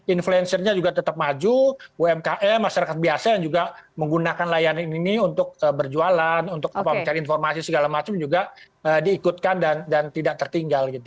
influencernya juga tetap maju umkm masyarakat biasa yang juga menggunakan layanan ini untuk berjualan untuk mencari informasi segala macam juga diikutkan dan tidak tertinggal